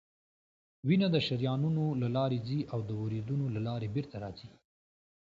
وینه د شریانونو له لارې ځي او د وریدونو له لارې بیرته راځي